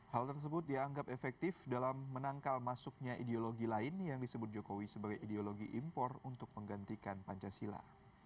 hal tersebut dianggap efektif dalam menangkal masuknya ideologi lain yang disebut jokowi sebagai ideologi impor untuk menggantikan pancasila